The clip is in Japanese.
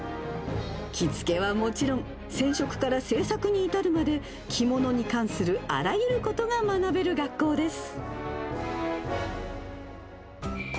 着付けはもちろん、染色から製作に至るまで着物に関するあらゆることが学べる学校です。